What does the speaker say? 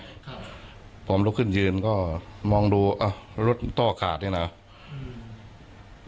ครับผมลุกขึ้นยืนก็มองดูอ้าวรถต้อขาดนี่น่ะอืม